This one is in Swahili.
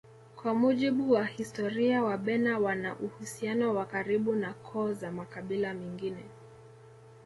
Kwa mujibu wa historia wabena wana uhusiano wa karibu na koo za makabila mengine